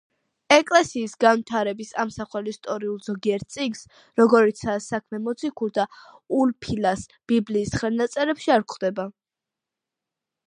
ეკლესიის განვითარების ამსახველ ისტორიულ ზოგიერთ წიგნს, როგორიცაა საქმე მოციქულთა, ულფილას ბიბლიის ხელნაწერებში არ გვხვდება.